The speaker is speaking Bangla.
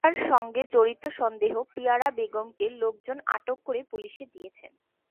হত্যার সঙ্গে জড়িত সন্দেহে পিয়ারা বেগমকে লোকজন আটক করে পুলিশে দিয়েছেন।